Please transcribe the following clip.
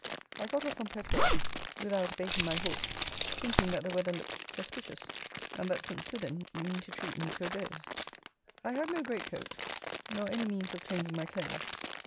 I got off from Petworth without baiting my horse, thinking that the weather looked suspicious; and that St. Swithin meaned to treat me to a dose. I had no great coat, nor any means of changing my clothes.